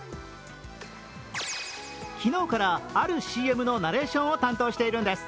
昨日から、あるＣＭのナレーションを担当しているんです。